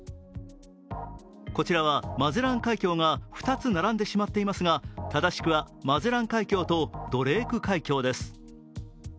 こちらはマゼラン海峡が２つ並んでしまっていますが正しくはマゼラン海峡とドレーク海峡です。